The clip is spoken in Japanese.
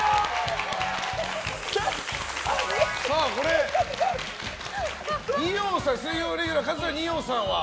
さあ、水曜レギュラー桂二葉さんは。